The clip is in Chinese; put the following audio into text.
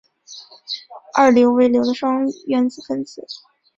二硫为硫的双原子分子。